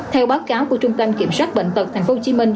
theo báo cáo của trung tâm kiểm soát bệnh tật tp hcm